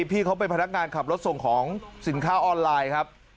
พี่เขาเป็นพนักงานขับรถส่งของสินค้าออนไลน์ครับ